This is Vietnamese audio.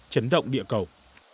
chấn động địa cầu